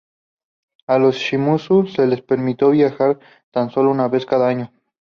A los Shimazu se les permitió viajar tan solo una vez cada dos años.